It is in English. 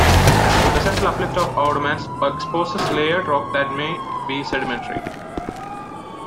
The central uplift of Oudemans exposes layered rock that may be sedimentary.